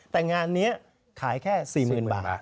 แต่งานนี้ขายแค่๔๐๐๐บาท